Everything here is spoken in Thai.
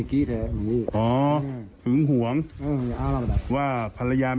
เครียดหึงไหมล่ะ